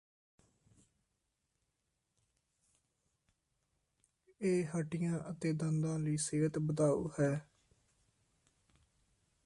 ਇਹ ਹੱਡੀਆਂ ਅਤੇ ਦੰਦਾਂ ਲਈ ਸਿਹਤ ਵਧਾਊ ਹੈ